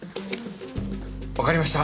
わかりました。